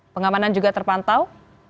pengamanan juga terpantau